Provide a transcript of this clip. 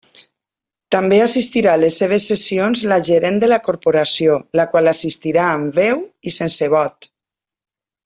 També assistirà a les seves sessions la Gerent de la corporació, la qual assistirà amb veu i sense vot.